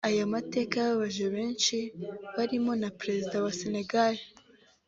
Ayo mateka yababaje benshi barimo na Perezida wa Sénégal